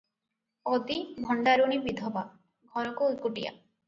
ପଦୀ ଭଣ୍ଡାରୁଣୀ ବିଧବା- ଘରକୁ ଏକୁଟିଆ ।